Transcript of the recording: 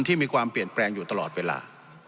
ที่มีความเปลี่ยนแปลงอยู่ตลอดเวลา